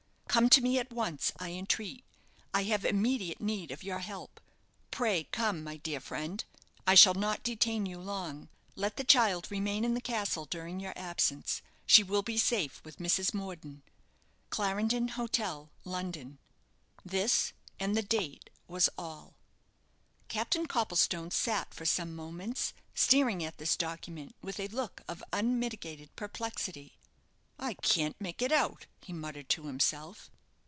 "_Come to me at once, I entreat. I have immediate need of your help. Pray come, my dear friend. I shall not detain you long. Let the child remain in the castle during your absence. She will be safe with Mrs. Morden_. "Clarendon Hotel, London." This, and the date, was all. Captain Copplestone sat for some moments staring at this document with a look of unmitigated perplexity. "I can't make it out," he muttered to himself.